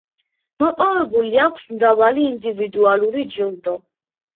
მოპოვებული აქვს მრავალი ინდივიდუალური ჯილდო.